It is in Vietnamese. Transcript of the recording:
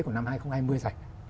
của năm hai nghìn hai mươi này